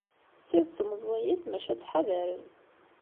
D tidet meẓẓiyit, maca ttḥadaren.